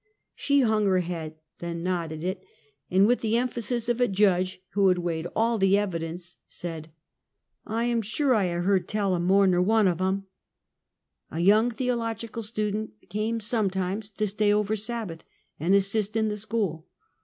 " She hung her head, then nodded it, and with the emphasis of a judge who had weighed all the evi dence, said: " I am sure I ha' hearn tell o' more nur one of em.'' A young tlieological student came sometimes to stay over Sabbath and assist in the school.